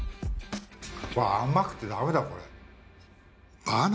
わぁ甘くてダメだこれ。